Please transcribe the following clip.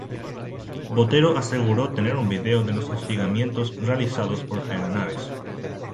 Botero aseguró tener un vídeo de los hostigamientos realizados por aeronaves.